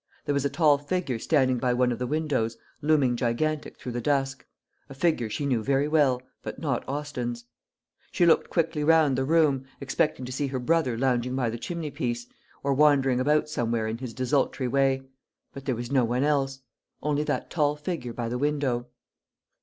There was a tall figure standing by one of the windows, looming gigantic through the dusk a figure she knew very well, but not Austin's. She looked quickly round the room, expecting to see her brother lounging by the chimney piece, or wandering about somewhere in his desultory way; but there was no one else, only that tall figure by the window.